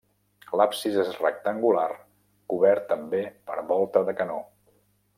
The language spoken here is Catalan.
L'absis és rectangular cobert també per volta de canó.